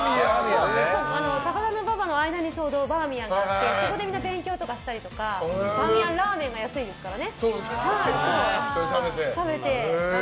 高田馬場の間にちょうどバーミヤンがあってそこで勉強したりとかバーミヤンラーメンが安いですからね。